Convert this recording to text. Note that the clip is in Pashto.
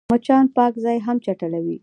مچان پاک ځای هم چټلوي